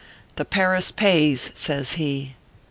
" The Paris Pays," says he.